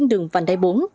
đường vành đai bốn